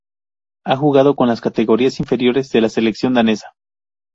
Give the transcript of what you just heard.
Ha jugado con las Categorías Inferiores de la Selección Danesa.